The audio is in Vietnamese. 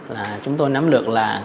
là chúng tôi nắm được là